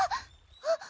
あっ！